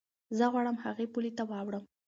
زه غواړم هغې پولې ته واوړم.